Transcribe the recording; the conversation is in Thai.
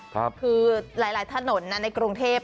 คือหลายถนนในกรุงเทพ